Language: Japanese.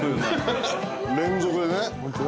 連続でね。